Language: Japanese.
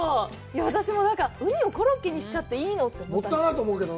私もうにをコロッケにしちゃっていいの？って思ったんですけど。